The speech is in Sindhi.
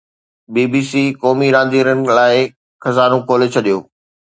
پي سي بي قومي رانديگرن لاءِ خزانو کولي ڇڏيو